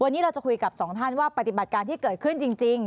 วันนี้เราจะคุยกับสองท่านว่าปฏิบัติการที่เกิดขึ้นจริง